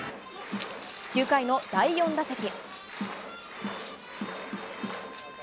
９回の第４打席。